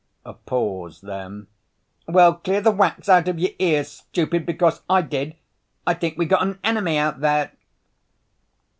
A pause, then, "Well, clean the wax out of your ears, stupid, because I did! I think we got an enemy out there!"